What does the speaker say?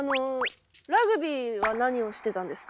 ラグビーは何をしてたんですか？